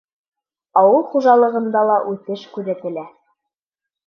Ауыл хужалығында ла үҫеш күҙәтелә.